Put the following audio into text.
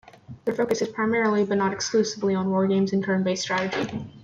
Their focus is primarily but not exclusively on war games and turn-based strategy.